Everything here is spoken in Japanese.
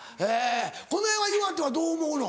この辺は岩手はどう思うの？